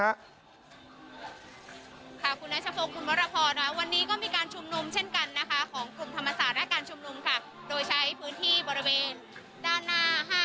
คุณนัชโภคคุณมรพวันนี้ก็มีการชุมนมเช่นกันนะคะ